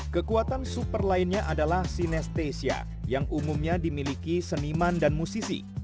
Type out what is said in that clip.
kekuatan super lainnya adalah sinesthesia yang umumnya dimiliki seniman dan musisi